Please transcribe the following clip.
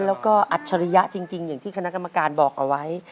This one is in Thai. แล้วก็อัจฉริยะจริงอย่างที่คณะกรรมการบอกเอาไว้